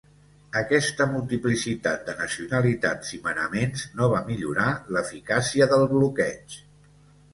Aquesta multiplicitat de nacionalitats i manaments no va millorar l'eficàcia del bloqueig.